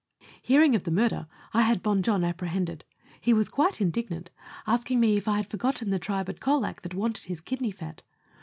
Hearing of the murder, I had Bon Jon apprehended ; he was quite indignant, asking me if I had forgotten the tribe at Colac that wanted his kidney fat.